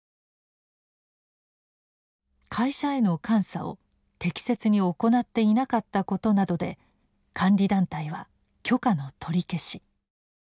「会社への監査を適切に行っていなかったこと」などで監理団体は許可の取り消し。